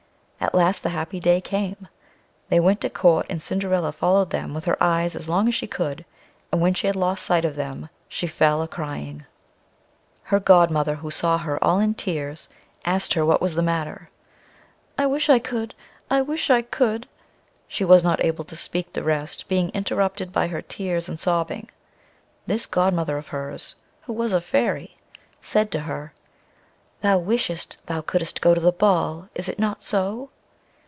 At last the happy day came; they went to Court, and Cinderilla followed them with her eyes as long as she could, and when she had lost sight of them she fell a crying. Her godmother, who saw her all in tears, asked her what was the matter. "I wish I could , I wish I could ;" she was not able to speak the rest, being interrupted by her tears and sobbing. This godmother of hers, who was a Fairy, said to her: "Thou wishest thou couldest go to the ball, is it not so?"